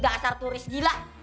dasar turis gila